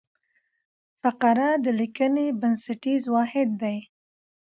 فقره د لیکني بنسټیز واحد دئ.